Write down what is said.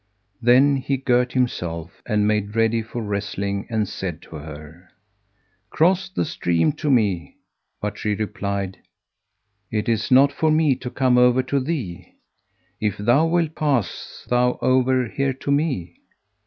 "[FN#172] Then he girt himself and made ready for wrestling, and said to her, "Cross the stream to me;" but she replied, "It is not for me to come over to thee: if thou wilt, pass thou over here to me."